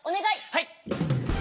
はい！